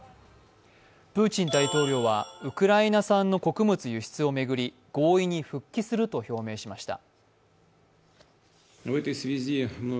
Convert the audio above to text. プーチン大統領はウクライナ産の穀物輸出を巡り合意に復帰すると表明しました。